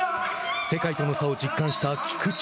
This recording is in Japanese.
世界との差を実感した菊池。